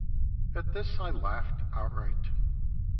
At this I laughed outright.